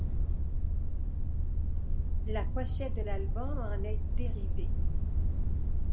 La pochette de l'album en est dérivée.